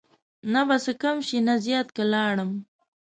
نه به څه کم شي نه زیات که لاړم